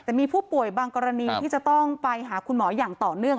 แต่มีผู้ป่วยบางกรณีที่จะต้องไปหาคุณหมออย่างต่อเนื่อง